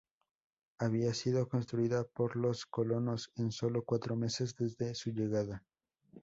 Había sido construida por los colonos en solo cuatro meses desde su llegada.